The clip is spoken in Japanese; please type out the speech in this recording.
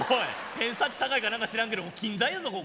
偏差値高いか何か知らんけど近大やぞここな。